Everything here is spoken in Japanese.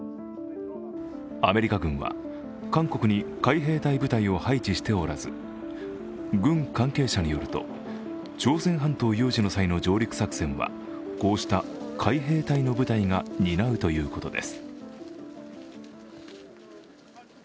アメリカ軍は韓国に海兵隊部隊を配置しておらず軍関係者によると、朝鮮半島有事の際の上陸作戦はこうした海兵隊の部隊が担うということです。